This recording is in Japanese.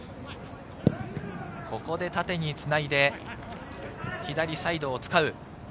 縦につないで、左サイドを使う。